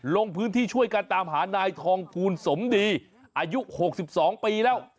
ลงพื้นที่ช่วยการตามหานายทองภูลสมดีอายุ๖๒ปีแล้ว